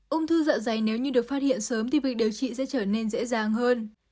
ung thư dạ dày nếu như được phát hiện sớm thì việc điều trị sẽ trở nên dễ dàng hơn